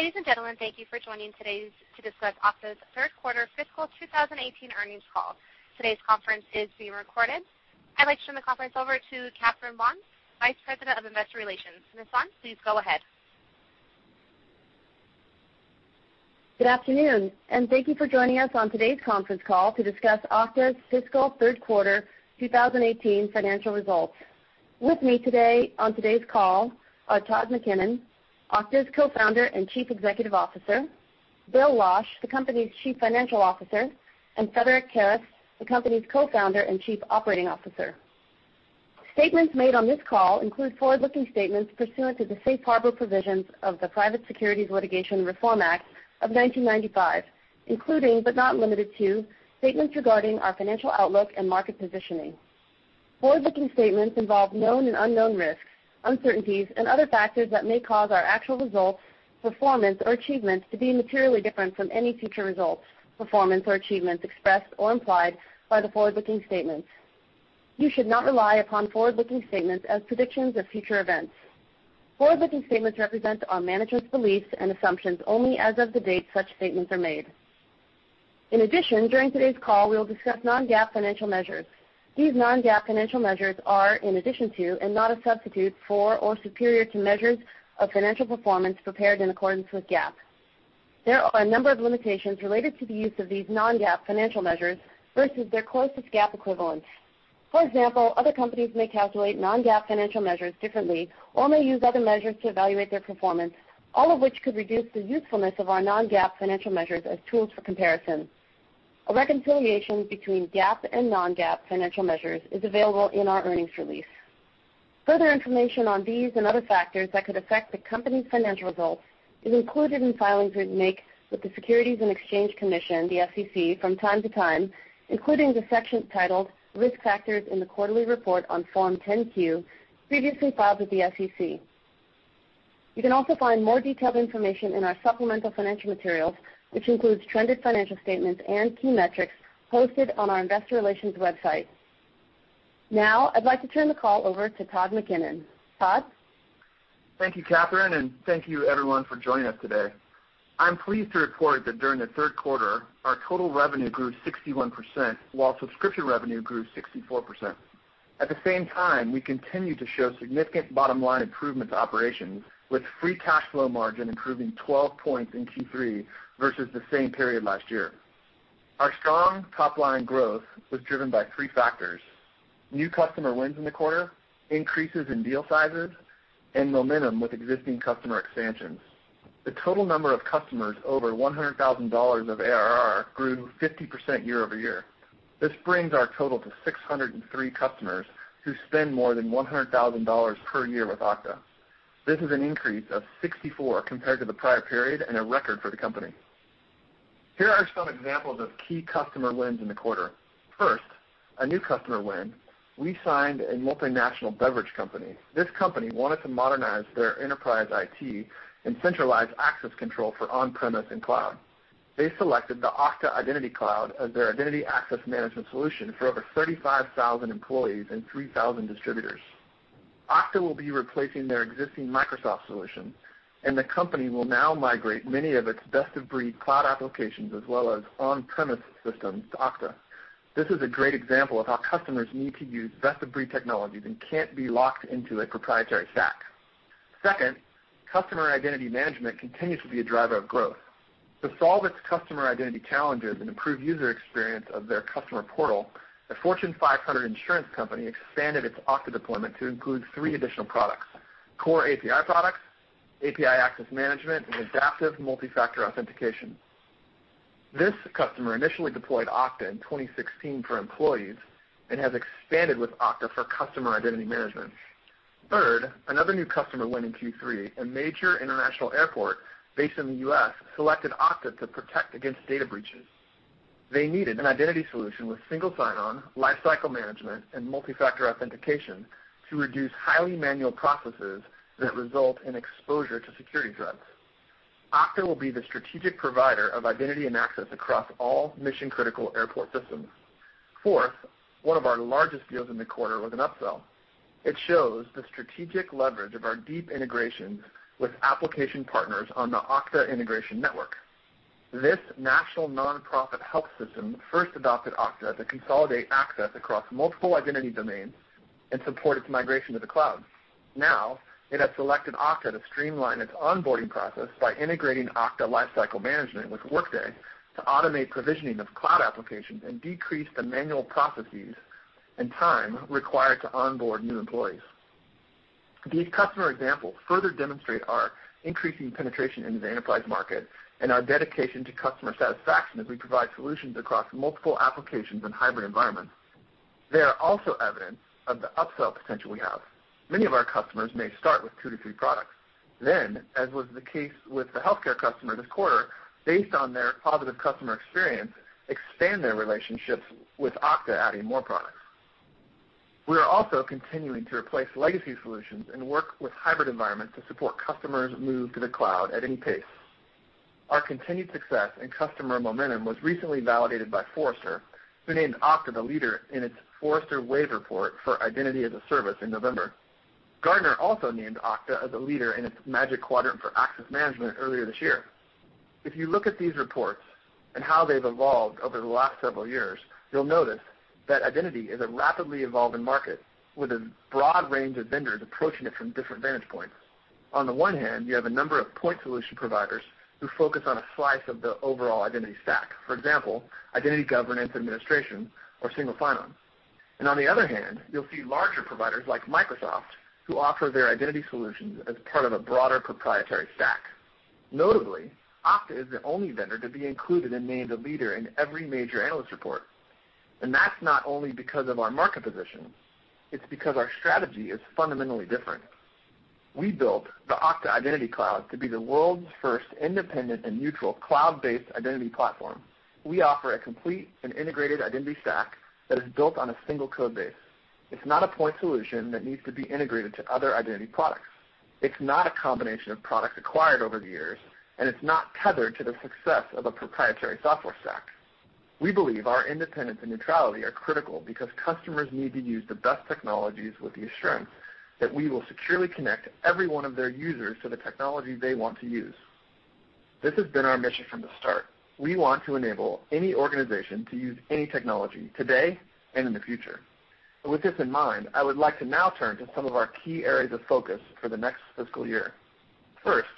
Ladies and gentlemen, thank you for joining today's to discuss Okta's third quarter fiscal 2018 earnings call. Today's conference is being recorded. I'd like to turn the conference over to Catherine Buan, Vice President of Investor Relations. Ms. Buan, please go ahead. Good afternoon. Thank you for joining us on today's conference call to discuss Okta's fiscal third quarter 2018 financial results. With me today on today's call are Todd McKinnon, Okta's Co-founder and Chief Executive Officer, Bill Losch, the company's Chief Financial Officer, and Frederic Kerrest, the company's Co-founder and Chief Operating Officer. Statements made on this call include forward-looking statements pursuant to the safe harbor provisions of the Private Securities Litigation Reform Act of 1995. Including, but not limited to, statements regarding our financial outlook and market positioning. Forward-looking statements involve known and unknown risks, uncertainties, and other factors that may cause our actual results, performance, or achievements to be materially different from any future results, performance, or achievements expressed or implied by the forward-looking statements. You should not rely upon forward-looking statements as predictions of future events. Forward-looking statements represent our management's beliefs and assumptions only as of the date such statements are made. In addition, during today's call, we will discuss non-GAAP financial measures. These non-GAAP financial measures are in addition to, and not a substitute for, or superior to measures of financial performance prepared in accordance with GAAP. There are a number of limitations related to the use of these non-GAAP financial measures versus their closest GAAP equivalent. For example, other companies may calculate non-GAAP financial measures differently or may use other measures to evaluate their performance, all of which could reduce the usefulness of our non-GAAP financial measures as tools for comparison. A reconciliation between GAAP and non-GAAP financial measures is available in our earnings release. Further information on these and other factors that could affect the company's financial results is included in filings we make with the Securities and Exchange Commission, the SEC, from time to time, including the section titled Risk Factors in the quarterly report on Form 10-Q previously filed with the SEC. You can also find more detailed information in our supplemental financial materials, which includes trended financial statements and key metrics hosted on our investor relations website. Now, I'd like to turn the call over to Todd McKinnon. Todd? Thank you, Catherine, and thank you everyone for joining us today. I'm pleased to report that during the third quarter, our total revenue grew 61%, while subscription revenue grew 64%. At the same time, we continue to show significant bottom-line improvements operations, with free cash flow margin improving 12 points in Q3 versus the same period last year. Our strong top-line growth was driven by three factors: New customer wins in the quarter, increases in deal sizes, and momentum with existing customer expansions. The total number of customers over $100,000 of ARR grew 50% year-over-year. This brings our total to 603 customers who spend more than $100,000 per year with Okta. This is an increase of 64 compared to the prior period and a record for the company. Here are some examples of key customer wins in the quarter. First, a new customer win. We signed a multinational beverage company. This company wanted to modernize their enterprise IT and centralize access control for on-premise and cloud. They selected the Okta Identity Cloud as their identity access management solution for over 35,000 employees and 3,000 distributors. Okta will be replacing their existing Microsoft solution, and the company will now migrate many of its best-of-breed cloud applications as well as on-premise systems to Okta. This is a great example of how customers need to use best-of-breed technologies and can't be locked into a proprietary stack. Second, customer identity management continues to be a driver of growth. To solve its customer identity challenges and improve user experience of their customer portal, a Fortune 500 insurance company expanded its Okta deployment to include three additional products: Core API products, API Access Management, and Adaptive Multi-Factor Authentication. This customer initially deployed Okta in 2016 for employees and has expanded with Okta for customer identity management. Third, another new customer win in Q3, a major international airport based in the U.S., selected Okta to protect against data breaches. They needed an identity solution with Single Sign-On, Lifecycle Management, and Multi-Factor Authentication to reduce highly manual processes that result in exposure to security threats. Okta will be the strategic provider of identity and access across all mission-critical airport systems. Fourth, one of our largest deals in the quarter was an upsell. It shows the strategic leverage of our deep integrations with application partners on the Okta Integration Network. This national nonprofit health system first adopted Okta to consolidate access across multiple identity domains and support its migration to the cloud. Now, it has selected Okta to streamline its onboarding process by integrating Okta Lifecycle Management with Workday to automate provisioning of cloud applications and decrease the manual processes and time required to onboard new employees. These customer examples further demonstrate our increasing penetration into the enterprise market and our dedication to customer satisfaction as we provide solutions across multiple applications and hybrid environments. They are also evidence of the upsell potential we have. Many of our customers may start with two to three products. As was the case with the healthcare customer this quarter, based on their positive customer experience, expand their relationships with Okta, adding more products. We are also continuing to replace legacy solutions and work with hybrid environments to support customers move to the cloud at any pace. Our continued success and customer momentum was recently validated by Forrester, who named Okta the leader in its Forrester Wave report for Identity as a Service in November. Gartner also named Okta as a leader in its Magic Quadrant for access management earlier this year. If you look at these reports and how they've evolved over the last several years, you'll notice that identity is a rapidly evolving market with a broad range of vendors approaching it from different vantage points. On the one hand, you have a number of point solution providers who focus on a slice of the overall identity stack. For example, Identity Governance and Administration or Single Sign-On. On the other hand, you'll see larger providers like Microsoft, who offer their identity solutions as part of a broader proprietary stack. Notably, Okta is the only vendor to be included and named a leader in every major analyst report. That's not only because of our market position, it's because our strategy is fundamentally different. We built the Okta Identity Cloud to be the world's first independent and neutral cloud-based identity platform. We offer a complete and integrated identity stack that is built on a single code base. It's not a point solution that needs to be integrated to other identity products. It's not a combination of products acquired over the years, and it's not tethered to the success of a proprietary software stack. We believe our independence and neutrality are critical because customers need to use the best technologies with the assurance that we will securely connect every one of their users to the technology they want to use. This has been our mission from the start. We want to enable any organization to use any technology today and in the future. With this in mind, I would like to now turn to some of our key areas of focus for the next fiscal year. First,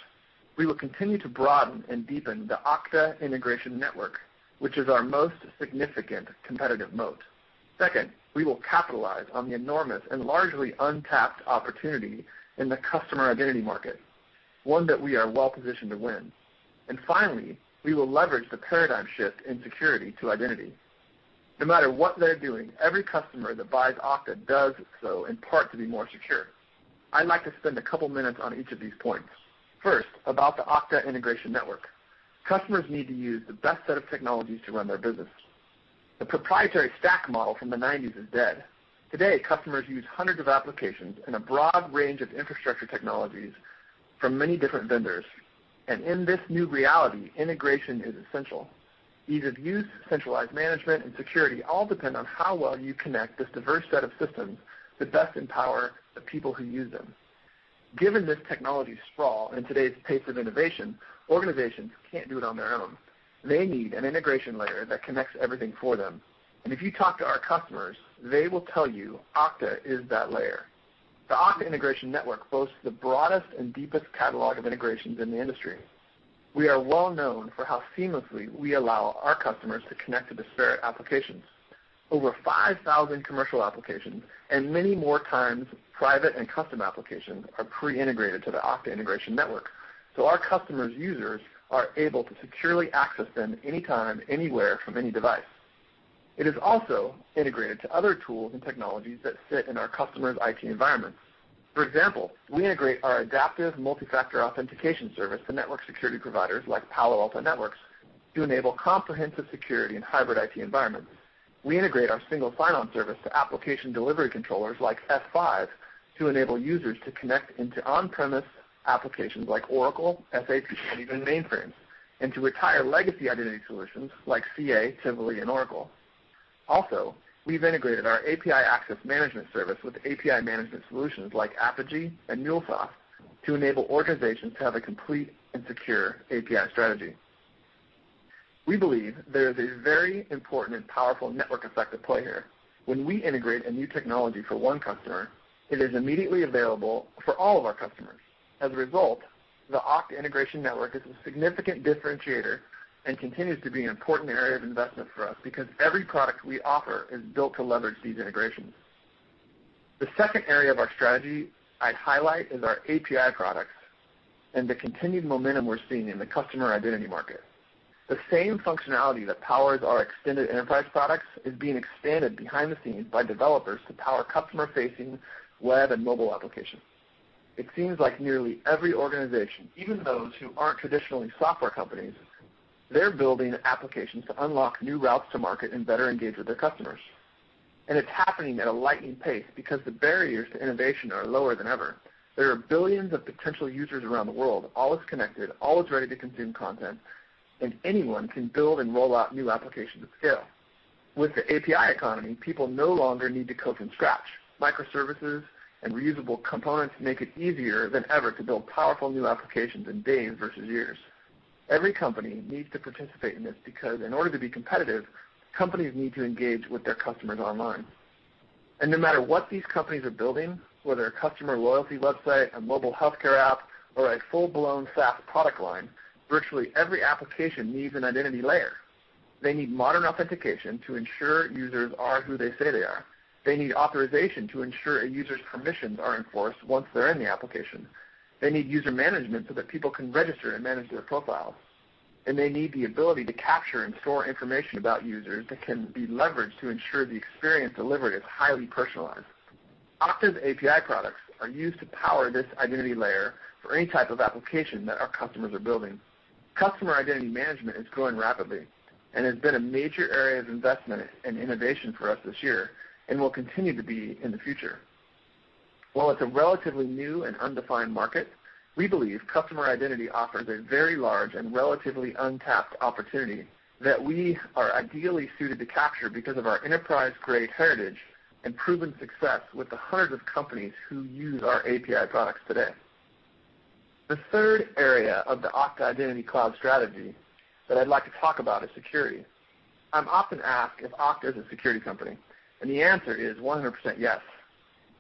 we will continue to broaden and deepen the Okta Integration Network, which is our most significant competitive moat. Second, we will capitalize on the enormous and largely untapped opportunity in the customer identity market, one that we are well positioned to win. Finally, we will leverage the paradigm shift in security to identity. No matter what they're doing, every customer that buys Okta does so in part to be more secure. I'd like to spend a couple minutes on each of these points. First, about the Okta Integration Network. Customers need to use the best set of technologies to run their business. The proprietary stack model from the '90s is dead. Today, customers use hundreds of applications and a broad range of infrastructure technologies from many different vendors. In this new reality, integration is essential. Ease of use, centralized management, and security all depend on how well you connect this diverse set of systems to best empower the people who use them. Given this technology sprawl and today's pace of innovation, organizations can't do it on their own. They need an integration layer that connects everything for them. If you talk to our customers, they will tell you Okta is that layer. The Okta Integration Network boasts the broadest and deepest catalog of integrations in the industry. We are well known for how seamlessly we allow our customers to connect to disparate applications. Over 5,000 commercial applications and many more times private and custom applications are pre-integrated to the Okta Integration Network. Our customers' users are able to securely access them anytime, anywhere from any device. It is also integrated to other tools and technologies that sit in our customers' IT environments. For example, we integrate our Adaptive Multi-Factor Authentication service to network security providers like Palo Alto Networks to enable comprehensive security in hybrid IT environments. We integrate our Single Sign-On service to application delivery controllers like F5 to enable users to connect into on-premise applications like Oracle, SAP, and even mainframes, and to retire legacy identity solutions like CA, Tivoli, and Oracle. Also, we've integrated our API Access Management service with API management solutions like Apigee and MuleSoft to enable organizations to have a complete and secure API strategy. We believe there is a very important and powerful network effect at play here. When we integrate a new technology for one customer, it is immediately available for all of our customers. As a result, the Okta Integration Network is a significant differentiator and continues to be an important area of investment for us because every product we offer is built to leverage these integrations. The second area of our strategy I'd highlight is our API products and the continued momentum we're seeing in the customer identity market. The same functionality that powers our extended enterprise products is being expanded behind the scenes by developers to power customer-facing web and mobile applications. It seems like nearly every organization, even those who aren't traditionally software companies, they're building applications to unlock new routes to market and better engage with their customers. It's happening at a lightning pace because the barriers to innovation are lower than ever. There are billions of potential users around the world. All is connected, all is ready to consume content, and anyone can build and roll out new applications at scale. With the API economy, people no longer need to code from scratch. Microservices and reusable components make it easier than ever to build powerful new applications in days versus years. Every company needs to participate in this because in order to be competitive, companies need to engage with their customers online. No matter what these companies are building, whether a customer loyalty website, a mobile healthcare app, or a full-blown SaaS product line, virtually every application needs an identity layer. They need modern authentication to ensure users are who they say they are. They need authorization to ensure a user's permissions are enforced once they're in the application. They need user management so that people can register and manage their profiles. They need the ability to capture and store information about users that can be leveraged to ensure the experience delivered is highly personalized. Okta's API products are used to power this identity layer for any type of application that our customers are building. Customer identity management is growing rapidly and has been a major area of investment and innovation for us this year and will continue to be in the future. While it's a relatively new and undefined market, we believe customer identity offers a very large and relatively untapped opportunity that we are ideally suited to capture because of our enterprise-grade heritage and proven success with the hundreds of companies who use our API products today. The third area of the Okta Identity Cloud strategy that I'd like to talk about is security. I'm often asked if Okta is a security company, and the answer is 100% yes.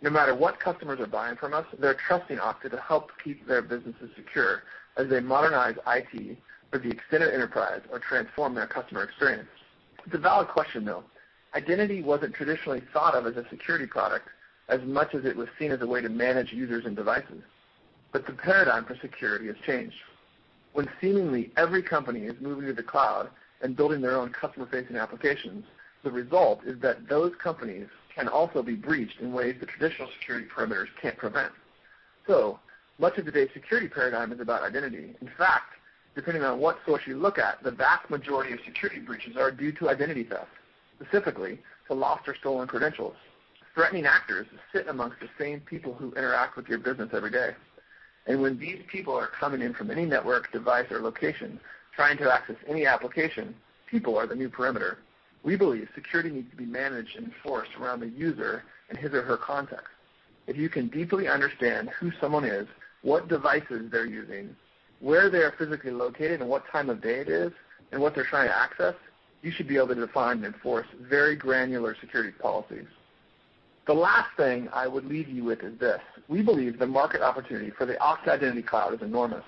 No matter what customers are buying from us, they're trusting Okta to help keep their businesses secure as they modernize IT for the extended enterprise or transform their customer experience. It's a valid question, though. Identity wasn't traditionally thought of as a security product as much as it was seen as a way to manage users and devices, but the paradigm for security has changed. When seemingly every company is moving to the cloud and building their own customer-facing applications, the result is that those companies can also be breached in ways the traditional security perimeters can't prevent. Much of today's security paradigm is about identity. In fact, depending on what source you look at, the vast majority of security breaches are due to identity theft, specifically to lost or stolen credentials. Threatening actors sit amongst the same people who interact with your business every day. When these people are coming in from any network, device, or location trying to access any application, people are the new perimeter. We believe security needs to be managed and enforced around the user and his or her context. If you can deeply understand who someone is, what devices they're using, where they are physically located, and what time of day it is, and what they're trying to access, you should be able to define and enforce very granular security policies. The last thing I would leave you with is this: We believe the market opportunity for the Okta Identity Cloud is enormous,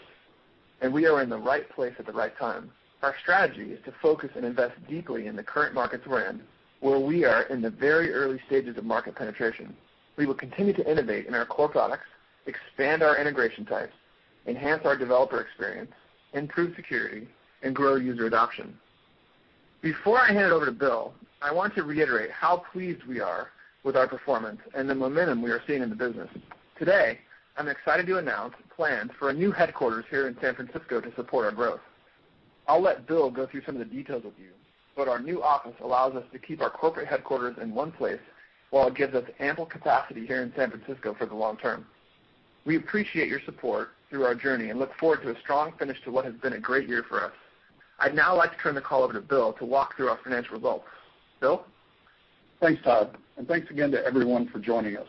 and we are in the right place at the right time. Our strategy is to focus and invest deeply in the current markets we're in, where we are in the very early stages of market penetration. We will continue to innovate in our core products, expand our integration types, enhance our developer experience, improve security, and grow user adoption. Before I hand it over to Bill, I want to reiterate how pleased we are with our performance and the momentum we are seeing in the business. Today, I'm excited to announce plans for a new headquarters here in San Francisco to support our growth. I'll let Bill go through some of the details with you, but our new office allows us to keep our corporate headquarters in one place while it gives us ample capacity here in San Francisco for the long term. We appreciate your support through our journey and look forward to a strong finish to what has been a great year for us. I'd now like to turn the call over to Bill to walk through our financial results. Bill? Thanks, Todd, and thanks again to everyone for joining us.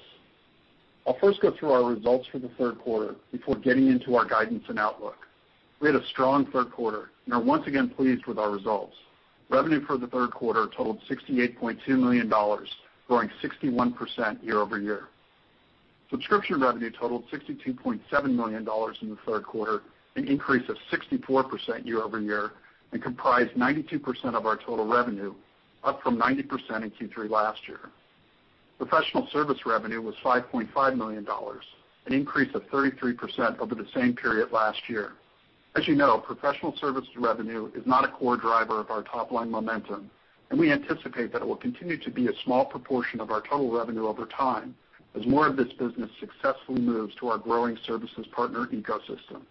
I'll first go through our results for the third quarter before getting into our guidance and outlook. We had a strong third quarter and are once again pleased with our results. Revenue for the third quarter totaled $68.2 million, growing 61% year over year. Subscription revenue totaled $62.7 million in the third quarter, an increase of 64% year over year, and comprised 92% of our total revenue, up from 90% in Q3 last year. Professional service revenue was $5.5 million, an increase of 33% over the same period last year. As you know, professional service revenue is not a core driver of our top-line momentum, and we anticipate that it will continue to be a small proportion of our total revenue over time as more of this business successfully moves to our growing services partner ecosystem.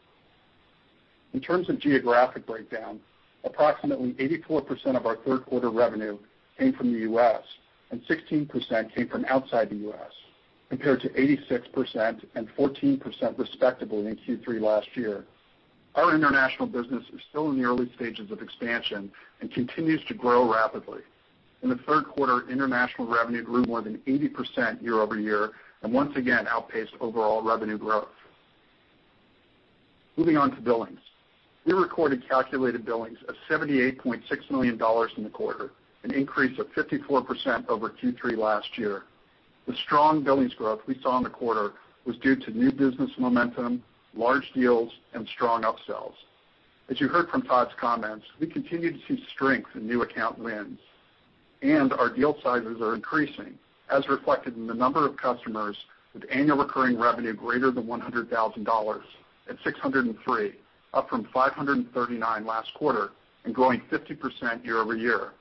In terms of geographic breakdown, approximately 84% of our third quarter revenue came from the U.S., and 16% came from outside the U.S., compared to 86% and 14% respectively in Q3 last year. Our international business is still in the early stages of expansion and continues to grow rapidly. In the third quarter, international revenue grew more than 80% year over year and once again outpaced overall revenue growth. Moving on to billings. We recorded calculated billings of $78.6 million in the quarter, an increase of 54% over Q3 last year. The strong billings growth we saw in the quarter was due to new business momentum, large deals, and strong up-sells. As you heard from Todd's comments, we continue to see strength in new account wins, and our deal sizes are increasing, as reflected in the number of customers with annual recurring revenue greater than $100,000 at 603, up from 539 last quarter and growing 50% year over year.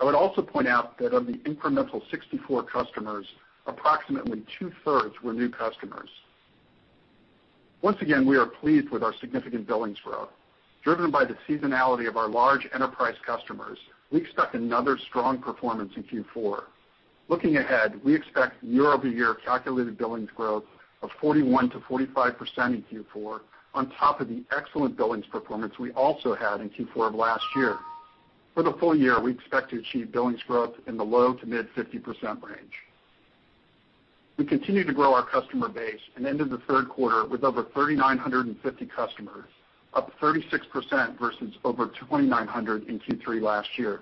I would also point out that of the incremental 64 customers, approximately two-thirds were new customers. Once again, we are pleased with our significant billings growth. Driven by the seasonality of our large enterprise customers, we expect another strong performance in Q4. Looking ahead, we expect year over year calculated billings growth of 41%-45% in Q4 on top of the excellent billings performance we also had in Q4 of last year. For the full year, we expect to achieve billings growth in the low to mid 50% range. We continue to grow our customer base and ended the third quarter with over 3,950 customers, up 36% versus over 2,900 in Q3 last year.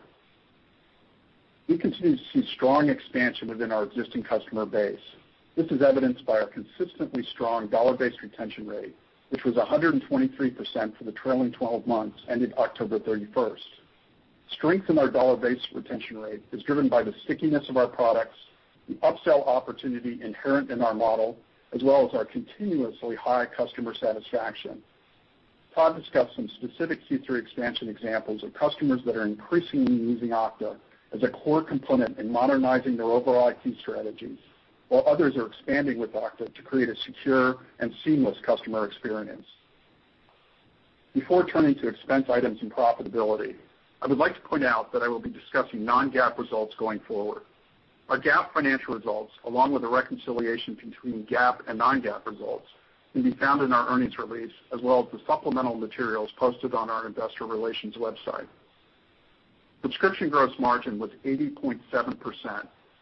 We continue to see strong expansion within our existing customer base. This is evidenced by our consistently strong dollar-based retention rate, which was 123% for the trailing 12 months ending October 31st. Strength in our dollar-based retention rate is driven by the stickiness of our products, the up-sell opportunity inherent in our model, as well as our continuously high customer satisfaction. Todd discussed some specific Q3 expansion examples of customers that are increasingly using Okta as a core component in modernizing their overall IT strategies, while others are expanding with Okta to create a secure and seamless customer experience. Before turning to expense items and profitability, I would like to point out that I will be discussing non-GAAP results going forward. Our GAAP financial results, along with the reconciliation between GAAP and non-GAAP results, can be found in our earnings release as well as the supplemental materials posted on our investor relations website. Subscription gross margin was 80.7%,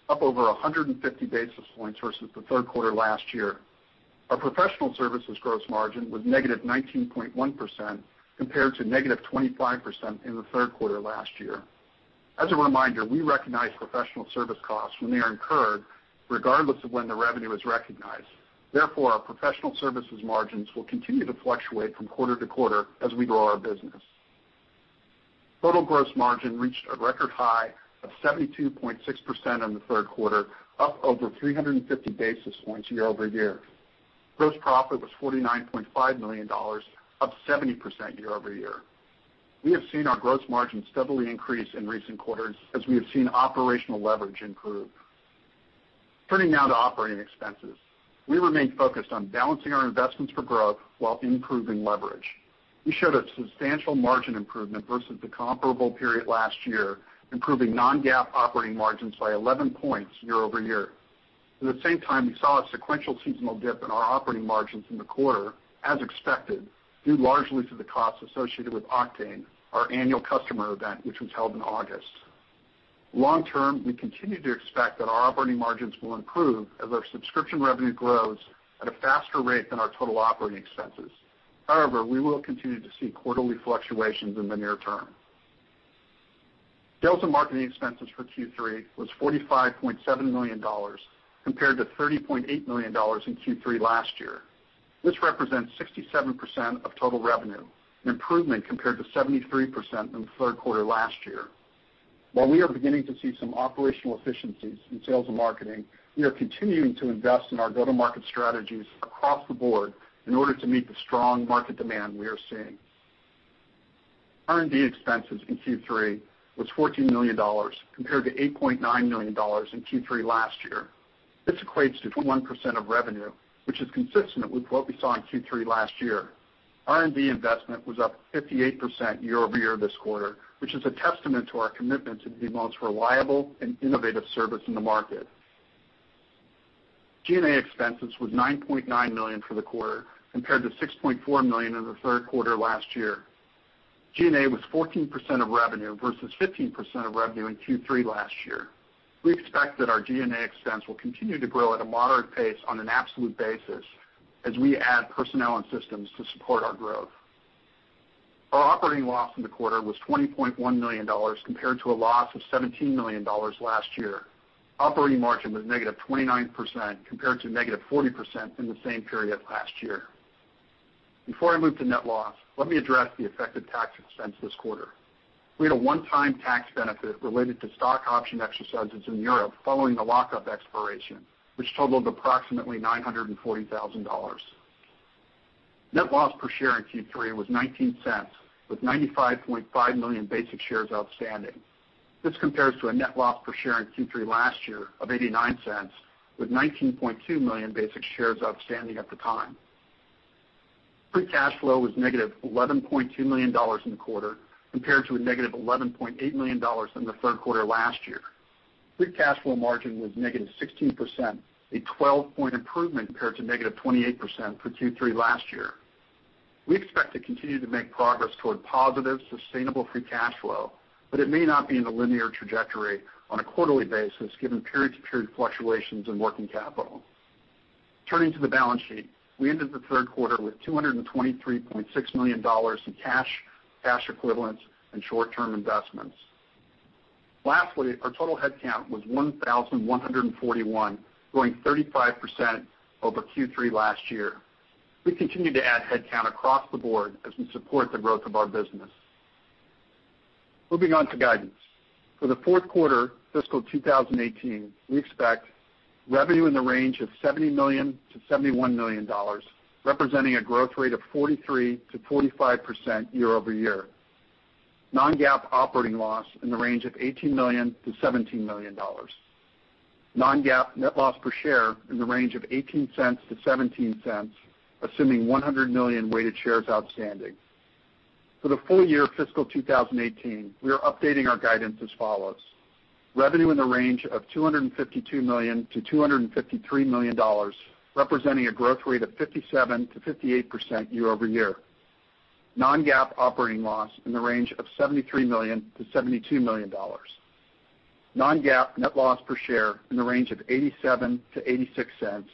up over 150 basis points versus the third quarter last year. Our professional services gross margin was negative 19.1%, compared to negative 25% in the third quarter last year. As a reminder, we recognize professional service costs when they are incurred, regardless of when the revenue is recognized. Therefore, our professional services margins will continue to fluctuate from quarter to quarter as we grow our business. Total gross margin reached a record high of 72.6% in the third quarter, up over 350 basis points year over year. Gross profit was $49.5 million, up 70% year over year. We have seen our gross margins steadily increase in recent quarters as we have seen operational leverage improve. Turning now to operating expenses. We remain focused on balancing our investments for growth while improving leverage. We showed a substantial margin improvement versus the comparable period last year, improving non-GAAP operating margins by 11 points year over year. At the same time, we saw a sequential seasonal dip in our operating margins in the quarter, as expected, due largely to the costs associated with Oktane, our annual customer event, which was held in August. Long term, we continue to expect that our operating margins will improve as our subscription revenue grows at a faster rate than our total operating expenses. However, we will continue to see quarterly fluctuations in the near term. Sales and marketing expenses for Q3 was $45.7 million, compared to $30.8 million in Q3 last year. This represents 67% of total revenue, an improvement compared to 73% in the third quarter last year. While we are beginning to see some operational efficiencies in sales and marketing, we are continuing to invest in our go-to-market strategies across the board in order to meet the strong market demand we are seeing. R&D expenses in Q3 was $14 million, compared to $8.9 million in Q3 last year. This equates to 1% of revenue, which is consistent with what we saw in Q3 last year. R&D investment was up 58% year over year this quarter, which is a testament to our commitment to be the most reliable and innovative service in the market. G&A expenses was $9.9 million for the quarter, compared to $6.4 million in the third quarter last year. G&A was 14% of revenue versus 15% of revenue in Q3 last year. We expect that our G&A expense will continue to grow at a moderate pace on an absolute basis as we add personnel and systems to support our growth. Our operating loss in the quarter was $20.1 million compared to a loss of $17 million last year. Operating margin was negative 29%, compared to negative 40% in the same period last year. Before I move to net loss, let me address the effective tax expense this quarter. We had a one-time tax benefit related to stock option exercises in Europe following the lockup expiration, which totaled approximately $940,000. Net loss per share in Q3 was $0.19, with 95.5 million basic shares outstanding. This compares to a net loss per share in Q3 last year of $0.89, with 19.2 million basic shares outstanding at the time. Free cash flow was negative $11.2 million in the quarter, compared to a negative $11.8 million in the third quarter last year. Free cash flow margin was negative 16%, a 12-point improvement compared to negative 28% for Q3 last year. We expect to continue to make progress toward positive, sustainable free cash flow, but it may not be in a linear trajectory on a quarterly basis, given period to period fluctuations in working capital. Turning to the balance sheet, we ended the third quarter with $223.6 million in cash equivalents, and short-term investments. Lastly, our total headcount was 1,141, growing 35% over Q3 last year. We continue to add headcount across the board as we support the growth of our business. Moving on to guidance. For the fourth quarter fiscal 2018, we expect revenue in the range of $70 million-$71 million, representing a growth rate of 43%-45% year-over-year. Non-GAAP operating loss in the range of $18 million-$17 million. Non-GAAP net loss per share in the range of $0.18-$0.17, assuming 100 million weighted shares outstanding. For the full year fiscal 2018, we are updating our guidance as follows. Revenue in the range of $252 million-$253 million, representing a growth rate of 57%-58% year-over-year. Non-GAAP operating loss in the range of $73 million-$72 million. Non-GAAP net loss per share in the range of $0.87-$0.86,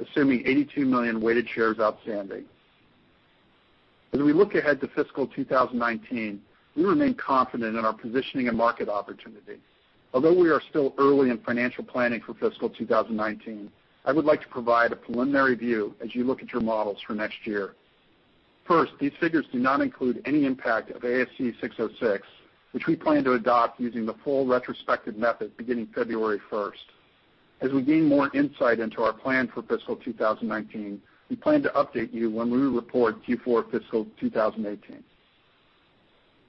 assuming 82 million weighted shares outstanding. As we look ahead to fiscal 2019, we remain confident in our positioning and market opportunity. Although we are still early in financial planning for fiscal 2019, I would like to provide a preliminary view as you look at your models for next year. First, these figures do not include any impact of ASC 606, which we plan to adopt using the full retrospective method beginning February 1st. As we gain more insight into our plan for fiscal 2019, we plan to update you when we report Q4 fiscal 2018.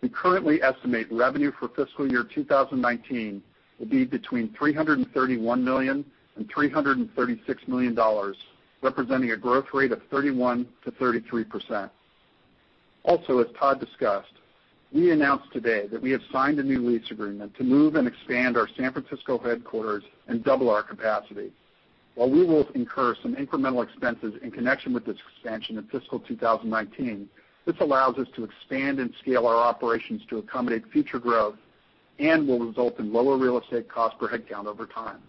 We currently estimate revenue for fiscal year 2019 will be between $331 million and $336 million, representing a growth rate of 31%-33%. Also, as Todd discussed, we announced today that we have signed a new lease agreement to move and expand our San Francisco headquarters and double our capacity. While we will incur some incremental expenses in connection with this expansion in fiscal 2019, this allows us to expand and scale our operations to accommodate future growth and will result in lower real estate cost per headcount over time.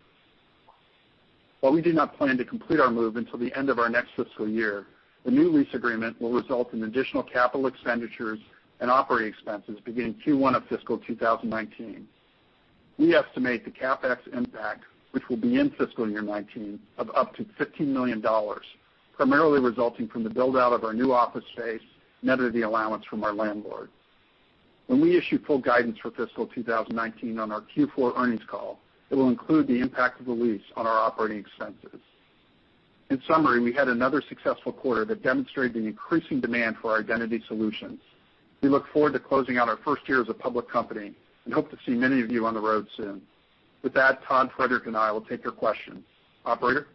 While we do not plan to complete our move until the end of our next fiscal year, the new lease agreement will result in additional capital expenditures and operating expenses beginning Q1 of fiscal 2019. We estimate the CapEx impact, which will be in fiscal year 2019, of up to $15 million, primarily resulting from the build-out of our new office space, net of the allowance from our landlord. When we issue full guidance for fiscal 2019 on our Q4 earnings call, it will include the impact of the lease on our operating expenses. In summary, we had another successful quarter that demonstrated the increasing demand for our identity solutions. We look forward to closing out our first year as a public company and hope to see many of you on the road soon. With that, Todd, Frederic, and I will take your questions. Operator?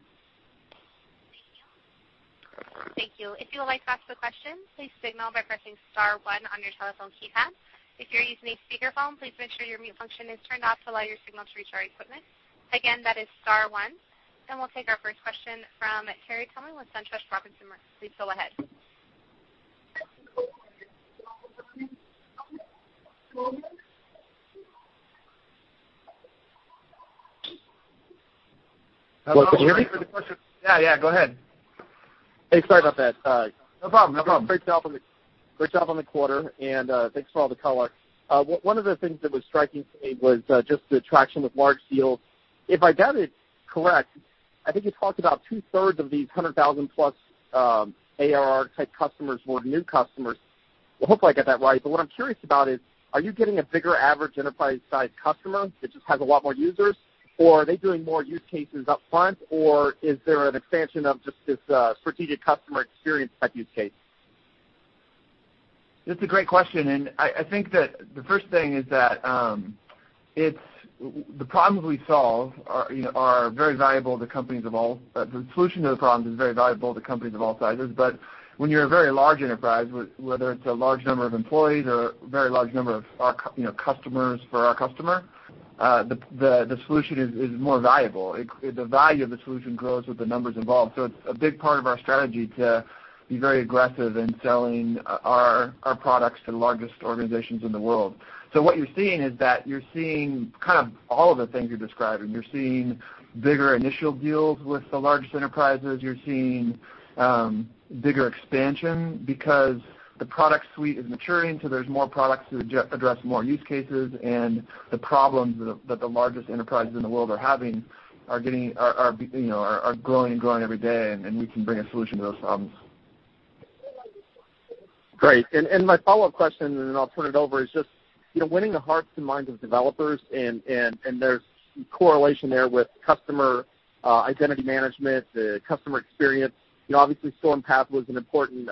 Thank you. If you would like to ask a question, please signal by pressing *1 on your telephone keypad. If you're using a speakerphone, please make sure your mute function is turned off to allow your signal to reach our equipment. Again, that is *1, and we'll take our first question from Terry Tillman with SunTrust Robinson Humphrey. Please go ahead. Hello. Can you hear me? Yeah, go ahead. Hey, sorry about that. No problem. Great job on the quarter and thanks for all the color. One of the things that was striking to me was just the traction with large deals. If I got it correct, I think you talked about two-thirds of these 100,000 plus ARR type customers were new customers. I hope I got that right. What I'm curious about is, are you getting a bigger average enterprise size customer that just has a lot more users, or are they doing more use cases up front, or is there an expansion of just this strategic customer experience type use case? That's a great question, and I think that the first thing is that the problems we solve are very valuable to companies of all. The solution to those problems is very valuable to companies of all sizes. When you're a very large enterprise, whether it's a large number of employees or a very large number of customers for our customer, the solution is more valuable. The value of the solution grows with the numbers involved. It's a big part of our strategy to be very aggressive in selling our products to the largest organizations in the world. What you're seeing is that you're seeing kind of all of the things you're describing. You're seeing bigger initial deals with the largest enterprises. You're seeing bigger expansion because the product suite is maturing. There's more products to address more use cases. The problems that the largest enterprises in the world are having are growing every day. We can bring a solution to those problems. Great. My follow-up question, then I'll turn it over, is just winning the hearts and minds of developers. There's correlation there with customer identity management, the customer experience. Obviously Stormpath was an important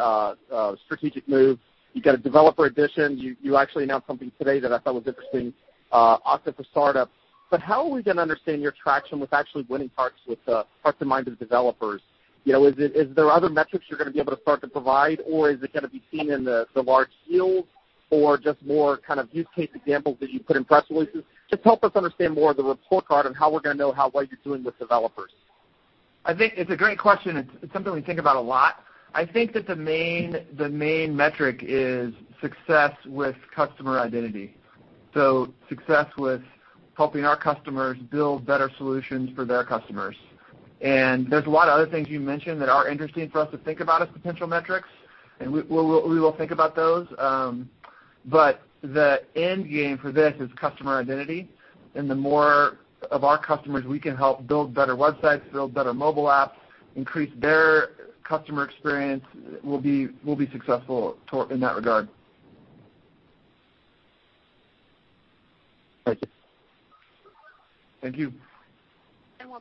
strategic move. You got a developer edition. You actually announced something today that I thought was interesting, Okta for Startups. How are we going to understand your traction with actually winning hearts and minds of developers? Is there other metrics you're going to be able to start to provide, or is it going to be seen in the large deals, or just more kind of use case examples that you put in press releases? Just help us understand more of the report card and how we're going to know how well you're doing with developers. I think it's a great question. It's something we think about a lot. I think that the main metric is success with customer identity, success with helping our customers build better solutions for their customers. There's a lot of other things you mentioned that are interesting for us to think about as potential metrics. We will think about those. The end game for this is customer identity. The more of our customers we can help build better websites, build better mobile apps, increase their customer experience, we'll be successful in that regard. Thank you.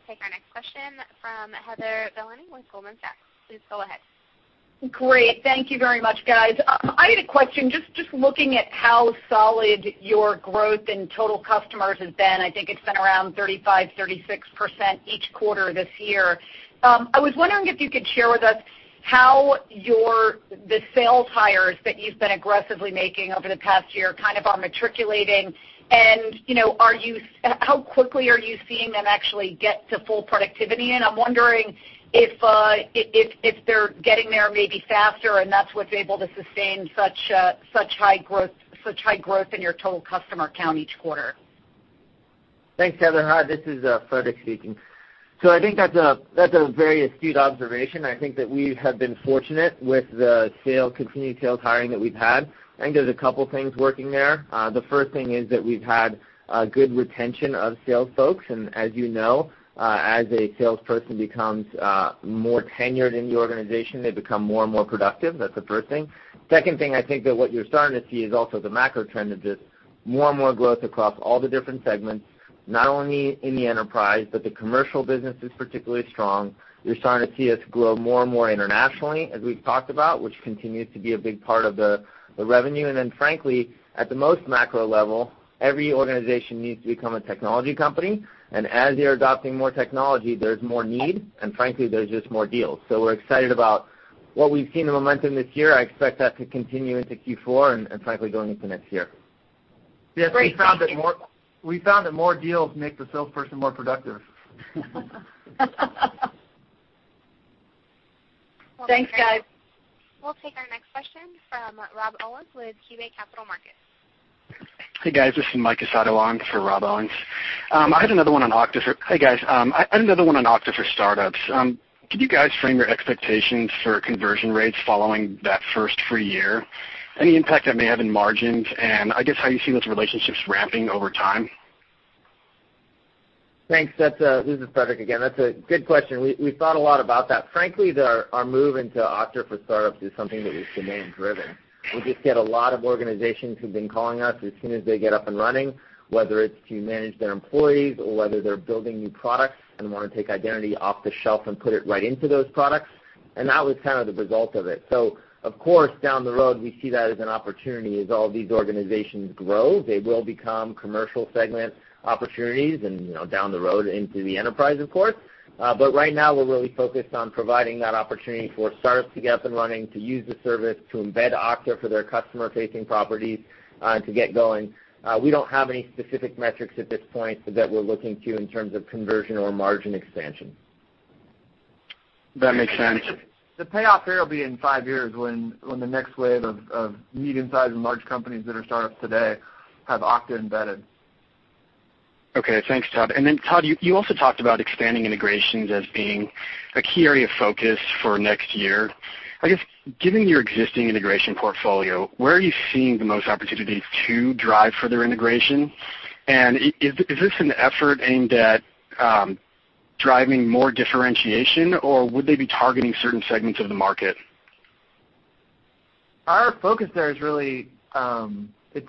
We'll take our next question from Heather Bellini with Goldman Sachs. Please go ahead. Great. Thank you very much, guys. I had a question just looking at how solid your growth in total customers has been. I think it's been around 35%, 36% each quarter this year. I was wondering if you could share with us how the sales hires that you've been aggressively making over the past year kind of are matriculating, and how quickly are you seeing them actually get to full productivity? I'm wondering if they're getting there maybe faster, and that's what's able to sustain such high growth in your total customer count each quarter. Thanks, Heather. Hi, this is Frederic speaking. I think that's a very astute observation. I think that we have been fortunate with the continued sales hiring that we've had. I think there's two things working there. The first thing is that we've had a good retention of sales folks, and as you know, as a salesperson becomes more tenured in the organization, they become more and more productive. That's the first thing. Second thing, I think that what you're starting to see is also the macro trend of just more and more growth across all the different segments, not only in the enterprise, but the commercial business is particularly strong. You're starting to see us grow more and more internationally, as we've talked about, which continues to be a big part of the revenue. Frankly, at the most macro level, every organization needs to become a technology company, and as they're adopting more technology, there's more need, and frankly, there's just more deals. We're excited about what we've seen in momentum this year, I expect that to continue into Q4 and frankly, going into next year. Great. Thank you. Yes, we found that more deals make the salesperson more productive. Thanks, guys. We'll take our next question from Rob Owens with KeyBanc Capital Markets. Hey, guys. This is Mike Casado for Rob Owens. Hey, guys. I had another one on Okta for Startups. Could you guys frame your expectations for conversion rates following that first free year? Any impact that may have in margins, and I guess how you see those relationships ramping over time? Thanks. This is Frederic again. That's a good question. We've thought a lot about that. Frankly, our move into Okta for Startups is something that was demand driven. We just get a lot of organizations who've been calling us as soon as they get up and running, whether it's to manage their employees or whether they're building new products and want to take identity off the shelf and put it right into those products, and that was the result of it. Of course, down the road, we see that as an opportunity. As all these organizations grow, they will become commercial segment opportunities, and down the road into the enterprise, of course. Right now, we're really focused on providing that opportunity for startups to get up and running, to use the service, to embed Okta for their customer-facing properties, to get going. We don't have any specific metrics at this point that we're looking to in terms of conversion or margin expansion. That makes sense. The payoff here will be in five years, when the next wave of medium-sized and large companies that are startups today have Okta embedded. Okay, thanks, Todd. Then Todd, you also talked about expanding integrations as being a key area of focus for next year. I guess, given your existing integration portfolio, where are you seeing the most opportunities to drive further integration? Is this an effort aimed at driving more differentiation, or would they be targeting certain segments of the market? Our focus there is really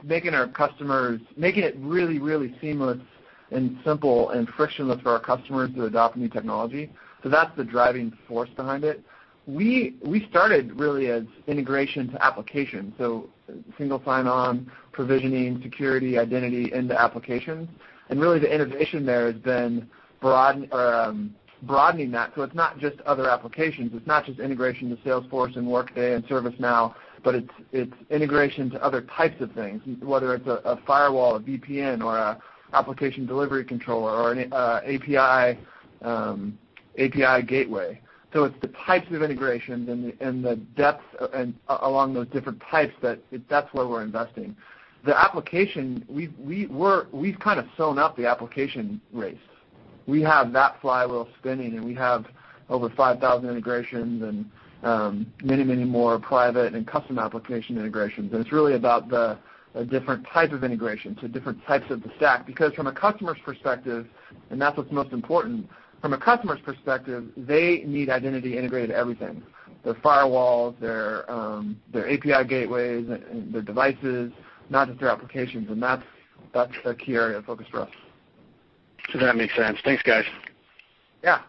making it really, really seamless and simple and frictionless for our customers to adopt new technology. That's the driving force behind it. We started really as integration to application, so Single Sign-On, provisioning, security, identity into applications. Really the innovation there has been broadening that. It's not just other applications, it's not just integration to Salesforce and Workday and ServiceNow, but it's integration to other types of things, whether it's a firewall, a VPN, or an application delivery controller, or an API gateway. It's the types of integrations and the depth along those different types that's where we're investing. The application, we've kind of sewn up the application race. We have that flywheel spinning, we have over 5,000 integrations and many more private and custom application integrations. It's really about the different type of integrations to different types of the stack, because from a customer's perspective, and that's what's most important, from a customer's perspective, they need identity integrated everything, their firewalls, their API gateways, and their devices, not just their applications. That's the key area of focus for us. That makes sense. Thanks, guys. Yeah.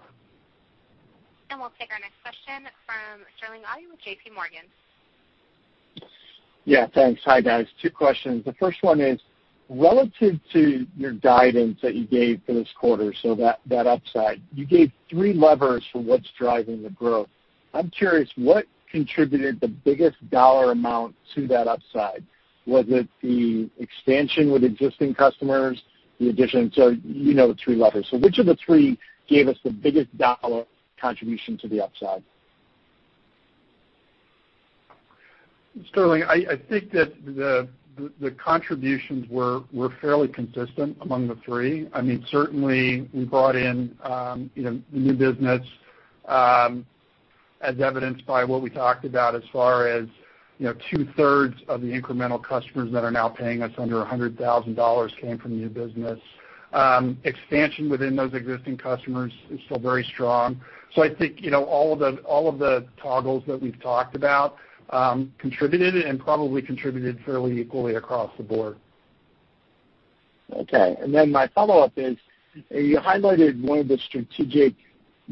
We'll take our next question from Sterling Auty with JPMorgan. Thanks. Hi, guys. Two questions. The first one is, relative to your guidance that you gave for this quarter, that upside, you gave three levers for what's driving the growth. I'm curious, what contributed the biggest dollar amount to that upside? Was it the expansion with existing customers, the addition you know the three levers. Which of the three gave us the biggest dollar contribution to the upside? Sterling, I think that the contributions were fairly consistent among the three. Certainly we brought in new business, as evidenced by what we talked about as far as two-thirds of the incremental customers that are now paying us under $100,000 came from new business. Expansion within those existing customers is still very strong. I think all of the toggles that we've talked about contributed, and probably contributed fairly equally across the board. Okay. My follow-up is, you highlighted one of the strategic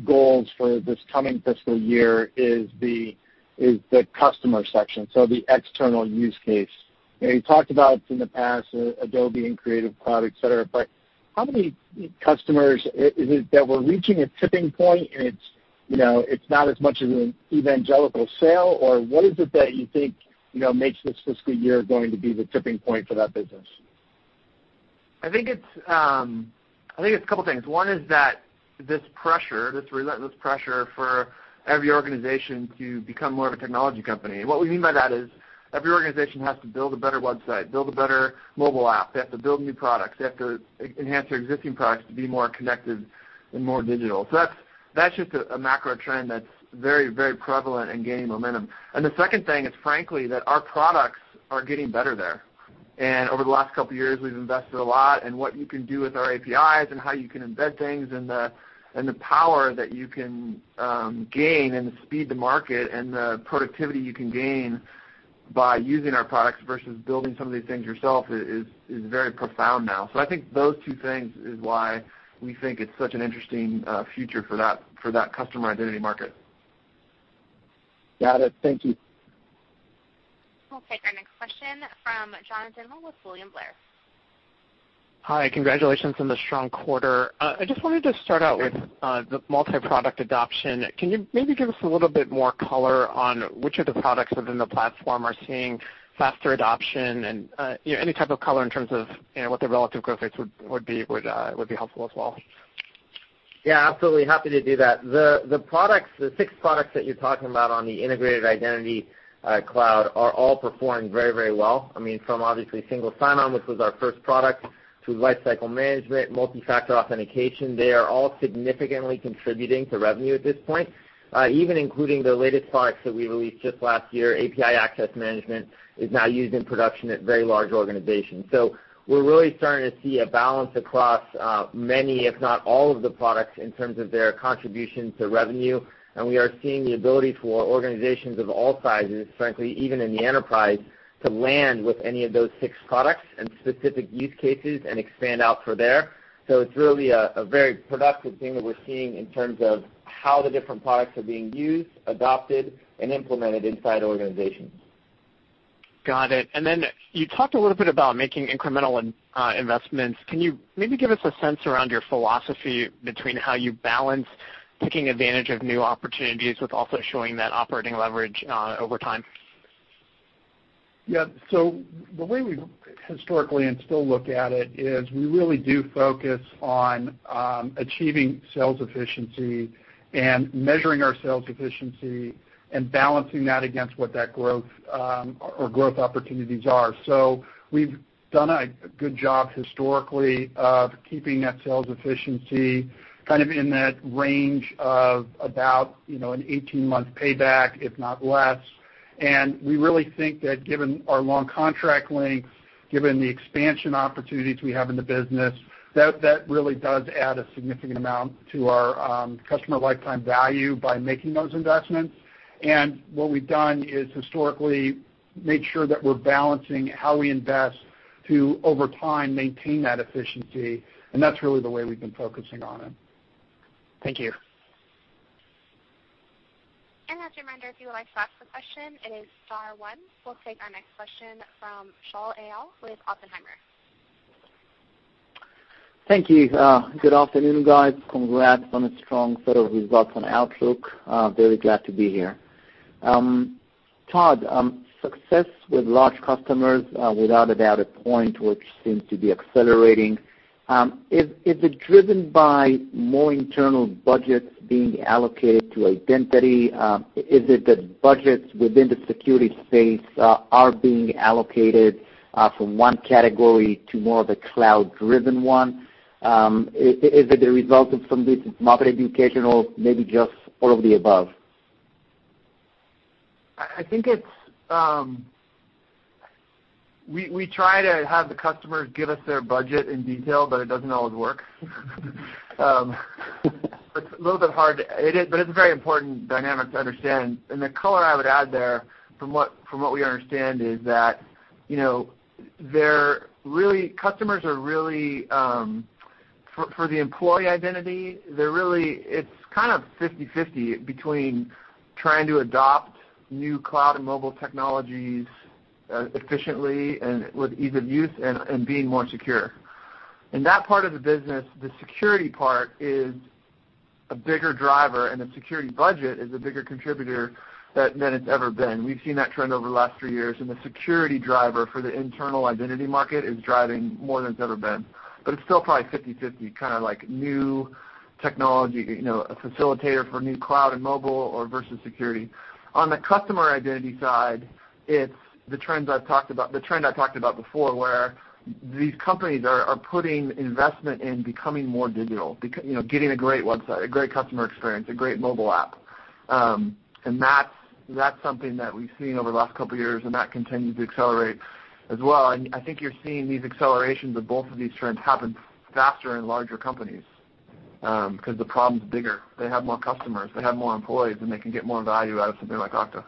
goals for this coming fiscal year is the customer section, so the external use case. You talked about in the past, Adobe and creative products, et cetera, but how many customers is it that we're reaching a tipping point, and it's not as much of an evangelical sale, or what is it that you think makes this fiscal year going to be the tipping point for that business? I think it's a couple things. One is that this pressure, this relentless pressure for every organization to become more of a technology company. What we mean by that is every organization has to build a better website, build a better mobile app. They have to build new products. They have to enhance their existing products to be more connected and more digital. That's just a macro trend that's very prevalent and gaining momentum. The second thing is, frankly, that our products are getting better there. Over the last couple of years, we've invested a lot in what you can do with our APIs and how you can embed things, and the power that you can gain, and the speed to market, and the productivity you can gain by using our products versus building some of these things yourself is very profound now. I think those two things is why we think it's such an interesting future for that customer identity market. Got it. Thank you. We'll take our next question from Jonathan Miller with William Blair. Hi, congratulations on the strong quarter. I just wanted to start out with the multi-product adoption. Can you maybe give us a little bit more color on which of the products within the platform are seeing faster adoption and any type of color in terms of what the relative growth rates would be helpful as well. Absolutely. Happy to do that. The six products that you're talking about on the integrated Identity Cloud are all performing very well. I mean, from obviously Single Sign-On, which was our first product, to Lifecycle Management, Multi-Factor Authentication, they are all significantly contributing to revenue at this point. Even including the latest products that we released just last year, API Access Management is now used in production at very large organizations. We're really starting to see a balance across many, if not all of the products in terms of their contribution to revenue. We are seeing the ability for organizations of all sizes, frankly, even in the enterprise, to land with any of those six products and specific use cases and expand out from there. It's really a very productive thing that we're seeing in terms of how the different products are being used, adopted, and implemented inside organizations. Got it. You talked a little bit about making incremental investments. Can you maybe give us a sense around your philosophy between how you balance taking advantage of new opportunities with also showing that operating leverage over time? Yeah. The way we historically and still look at it is we really do focus on achieving sales efficiency and measuring our sales efficiency and balancing that against what that growth or growth opportunities are. We've done a good job historically of keeping that sales efficiency in that range of about an 18-month payback, if not less. We really think that given our long contract lengths, given the expansion opportunities we have in the business, that really does add a significant amount to our customer lifetime value by making those investments. What we've done is historically made sure that we're balancing how we invest to, over time, maintain that efficiency, and that's really the way we've been focusing on it. Thank you. As a reminder, if you would like to ask a question, it is star one. We'll take our next question from Shaul Eyal with Oppenheimer. Thank you. Good afternoon, guys. Congrats on the strong set of results and outlook. Very glad to be here. Todd, success with large customers without a doubt, a point which seems to be accelerating. Is it driven by more internal budgets being allocated to identity? Is it that budgets within the security space are being allocated from 1 category to more of a cloud-driven one? Is it a result of some market educational, maybe just all of the above? I think we try to have the customers give us their budget in detail, it doesn't always work. It's a little bit hard, it's a very important dynamic to understand. The color I would add there, from what we understand, is that customers are really, for the employee identity, it's kind of 50/50 between trying to adopt new cloud and mobile technologies efficiently and with ease of use and being more secure. In that part of the business, the security part is a bigger driver, and the security budget is a bigger contributor than it's ever been. We've seen that trend over the last three years, and the security driver for the internal identity market is driving more than it's ever been. It's still probably 50/50, kind of like new technology, a facilitator for new cloud and mobile versus security. On the customer identity side, it's the trend I talked about before, where these companies are putting investment in becoming more digital, getting a great website, a great customer experience, a great mobile app. That's something that we've seen over the last couple of years, that continues to accelerate as well. I think you're seeing these accelerations of both of these trends happen faster in larger companies, because the problem's bigger. They have more customers, they have more employees, and they can get more value out of something like Okta.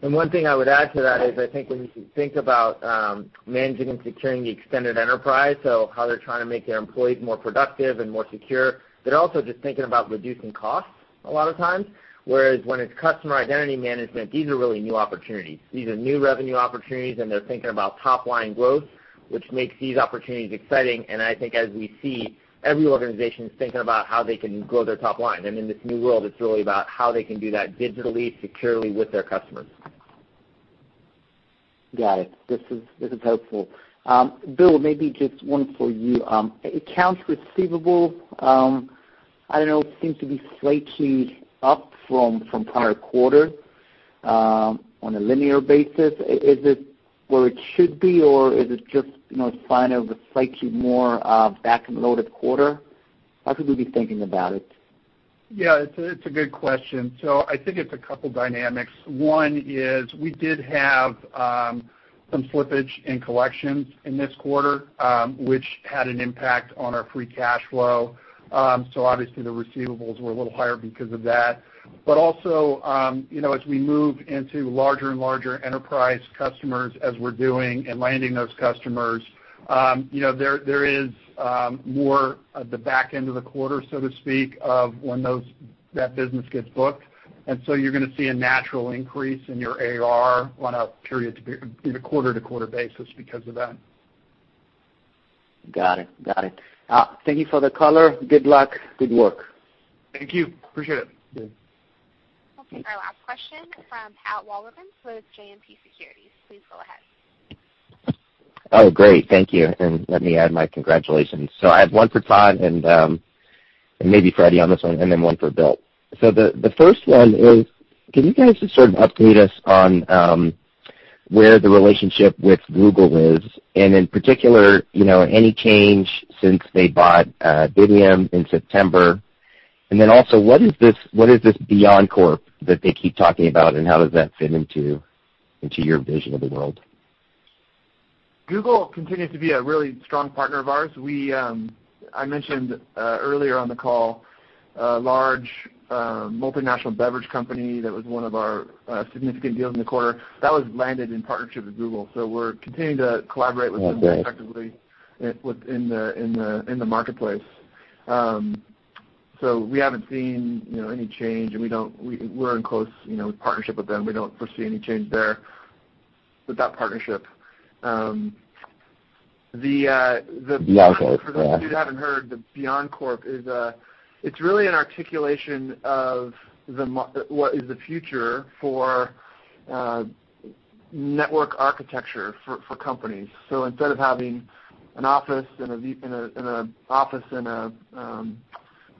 One thing I would add to that is when you think about managing and securing the extended enterprise, so how they're trying to make their employees more productive and more secure, they're also just thinking about reducing costs a lot of times. When it's customer identity management, these are really new opportunities. These are new revenue opportunities, and they're thinking about top-line growth, which makes these opportunities exciting. As we see every organization is thinking about how they can grow their top line, and in this new world, it's really about how they can do that digitally, securely with their customers. Got it. This is helpful. Bill, maybe just one for you. Accounts receivable, I don't know, seems to be slightly up from prior quarter on a linear basis. Is it where it should be or is it just fine of a slightly more back-end loaded quarter? How should we be thinking about it? It's a good question. It's a couple of dynamics. One is we did have some slippage in collections in this quarter, which had an impact on our free cash flow. Obviously the receivables were a little higher because of that. As we move into larger and larger enterprise customers, as we're doing and landing those customers, there is more at the back end of the quarter, so to speak, of when that business gets booked, and you're going to see a natural increase in your AR on a quarter-to-quarter basis because of that. Got it. Thank you for the color. Good luck. Good work. Thank you. Appreciate it. Good. We'll take our last question from Pat Walravens with JMP Securities. Please go ahead. Great. Thank you, and let me add my congratulations. I have one for Todd and maybe Freddy on this one, and then one for Bill. The first one is, can you guys just sort of update us on where the relationship with Google is? In particular, any change since they bought Bitium in September? Also, what is this BeyondCorp that they keep talking about, and how does that fit into your vision of the world? Google continues to be a really strong partner of ours. I mentioned earlier on the call, a large multinational beverage company that was one of our significant deals in the quarter, that was landed in partnership with Google. We're continuing to collaborate with them very effectively within the marketplace. We haven't seen any change, and we're in close partnership with them. We don't foresee any change there with that partnership. Yeah. For those of you that haven't heard, BeyondCorp is really an articulation of what is the future for network architecture for companies. Instead of having an office and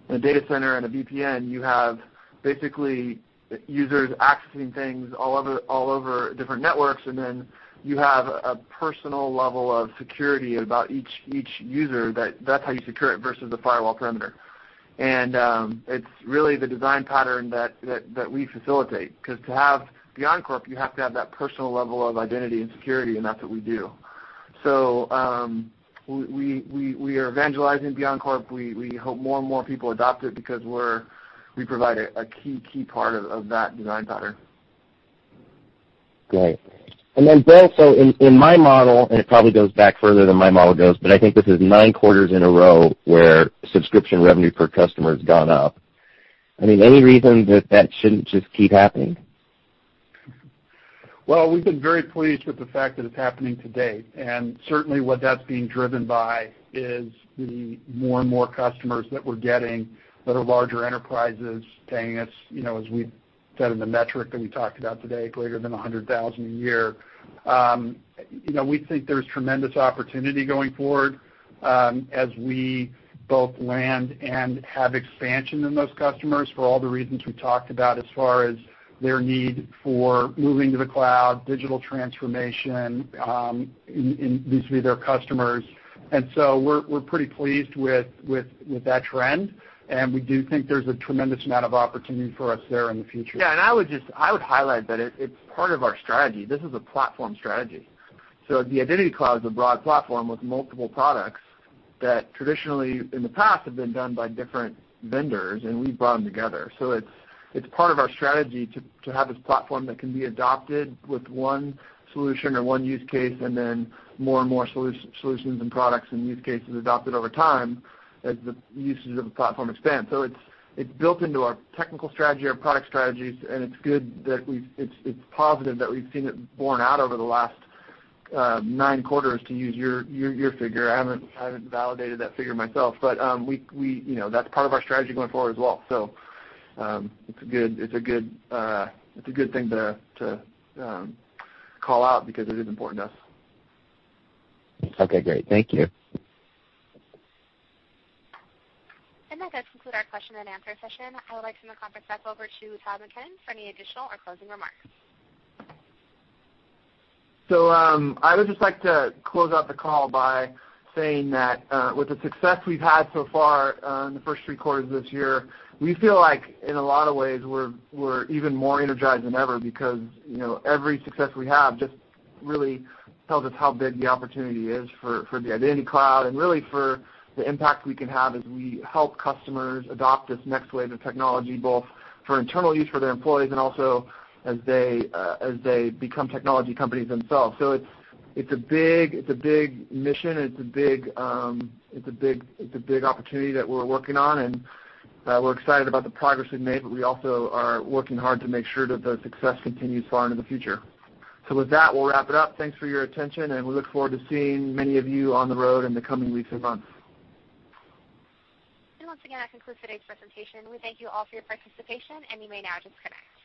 a data center and a VPN, you have basically users accessing things all over different networks, and then you have a personal level of security about each user. That's how you secure it versus the firewall perimeter. It's really the design pattern that we facilitate because to have BeyondCorp, you have to have that personal level of identity and security, and that's what we do. We are evangelizing BeyondCorp. We hope more and more people adopt it because we provide a key part of that design pattern. Great. Then Bill, so in my model, and it probably goes back further than my model goes, but I think this is nine quarters in a row where subscription revenue per customer has gone up. Any reason that that shouldn't just keep happening? Well, we've been very pleased with the fact that it's happening to date. Certainly what that's being driven by is the more and more customers that we're getting that are larger enterprises paying us, as we said in the metric that we talked about today, greater than $100,000 a year. We think there's tremendous opportunity going forward as we both land and have expansion in those customers for all the reasons we talked about as far as their need for moving to the cloud, digital transformation, and these would be their customers. We're pretty pleased with that trend, and we do think there's a tremendous amount of opportunity for us there in the future. Yeah, and I would highlight that it's part of our strategy. This is a platform strategy. The Identity Cloud is a broad platform with multiple products that traditionally in the past have been done by different vendors, and we've brought them together. It's part of our strategy to have this platform that can be adopted with one solution or one use case, and then more and more solutions and products and use cases adopted over time as the usage of the platform expands. It's built into our technical strategy, our product strategies, and it's positive that we've seen it borne out over the last nine quarters, to use your figure. I haven't validated that figure myself, but that's part of our strategy going forward as well. It's a good thing to call out because it is important to us. Okay, great. Thank you. That does conclude our question and answer session. I would like to now conference us over to Todd McKinnon for any additional or closing remarks. I would just like to close out the call by saying that with the success we've had so far in the first three quarters of this year, we feel like in a lot of ways we're even more energized than ever because every success we have just really tells us how big the opportunity is for the Okta Identity Cloud and really for the impact we can have as we help customers adopt this next wave of technology, both for internal use for their employees and also as they become technology companies themselves. It's a big mission, it's a big opportunity that we're working on, and we're excited about the progress we've made, but we also are working hard to make sure that the success continues far into the future. With that, we'll wrap it up. Thanks for your attention, and we look forward to seeing many of you on the road in the coming weeks and months. Once again, that concludes today's presentation. We thank you all for your participation, and you may now disconnect.